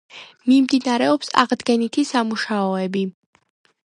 მიმდინარეობს აღდგენითი სამუშაოები.